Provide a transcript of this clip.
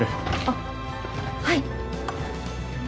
あっはい。